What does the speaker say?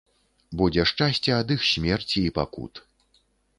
Будзе шчасце ад іх смерці і пакут.